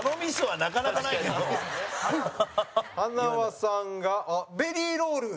塙さんが、ベリーロール？